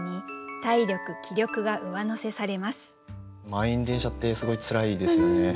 満員電車ってすごいつらいですよね。